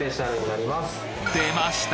でました！